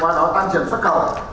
qua đó tăng trưởng xuất khẩu